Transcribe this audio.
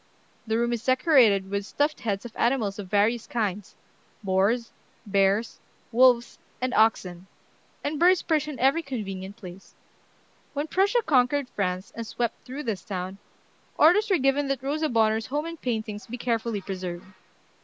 The room is decorated with stuffed heads of animals of various kinds, boars, bears, wolves, and oxen; and birds perch in every convenient place." When Prussia conquered France, and swept through this town, orders were given that Rosa Bonheur's home and paintings be carefully preserved.